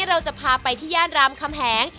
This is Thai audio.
เราจะพาไปที่ย่านรามคำแหง